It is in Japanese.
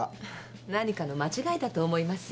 何かの間違いだと思いますよ。